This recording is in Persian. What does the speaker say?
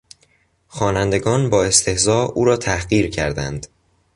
خوانندگان با استهزا او را تحقیر کردند.